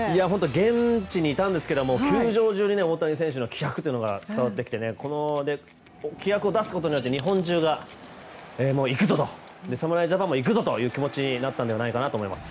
現地にいたんですけど球場中に大谷選手の気迫というのが伝わってきて気迫を出すことで日本中が行くぞ！と侍ジャパンも行くぞ！という気持ちになったと思います。